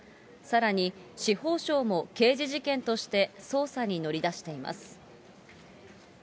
さらに、司法省も刑事事件として捜査に乗り出しています。